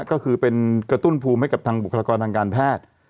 ก็คือเป็นกระตุ้นภูมิให้กับทางบุคลากรทางการแพทย์